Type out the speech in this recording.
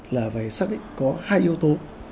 là phải xác định có hai yếu tố